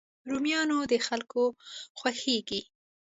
رومیان د خلکو خوښېږي